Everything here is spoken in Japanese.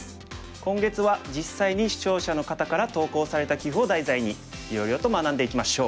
今月は実際に視聴者の方から投稿された棋譜を題材にいろいろと学んでいきましょう。